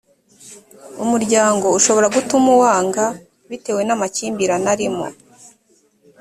umuryango ushobora gutuma uwanga bitewe n’ amakimbirane arimo